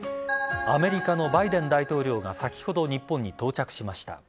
アメリカのバイデン大統領が先ほど日本に到着しました。